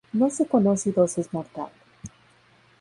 No se conoce dosis mortal.